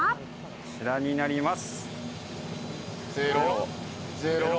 こちらになります。